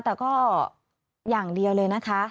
แต่ก็อย่างเดียวเลยนะคะ